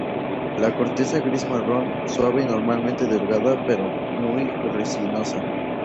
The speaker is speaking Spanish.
La corteza es gris-marrón, suave y normalmente delgada pero muy resinosa.